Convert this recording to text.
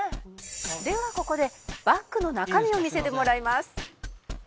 ではここでバッグの中身を見せてもらいます。